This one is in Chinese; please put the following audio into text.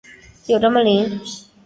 有这么灵？